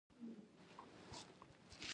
ولي بايد حيوانات وساتو؟